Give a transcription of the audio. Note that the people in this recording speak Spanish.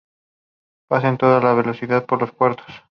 Pasen a toda velocidad por los puertos.